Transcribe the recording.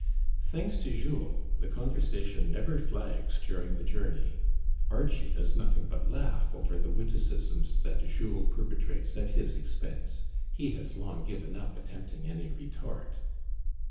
Thanks to Jules, the conversation never flags during the journey. Archie does nothing but laugh over the witticisms that Jules perpetrates at his expense. He has long given up attempting any retort.